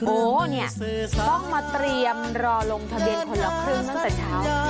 โอ้เนี่ยต้องมาเตรียมรอลงทะเบียนคนละครึ่งตั้งแต่เช้า